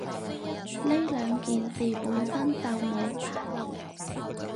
呢兩件事本身就冇拏褦